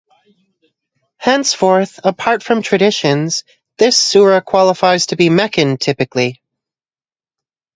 Henceforth apart from traditions, this surah qualifies to be Meccan typically.